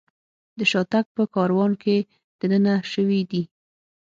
د شاتګ په کاروان کې دننه شوي دي.